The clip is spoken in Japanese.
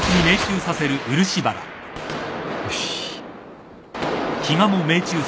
よし。